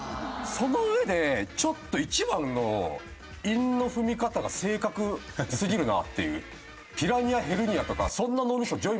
そのうえでちょっと１番の韻の踏み方が正確すぎるなっていう。